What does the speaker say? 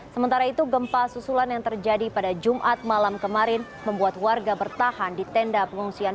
sementara itu gempa susulan yang terjadi pada jumat malam kemarin membuat warga bertahan di tenda pengungsian